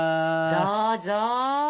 どうぞ！